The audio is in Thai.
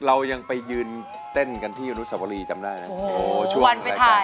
เรายังไปยืนเต้นกันที่วรุษวรีจำได้นะครับ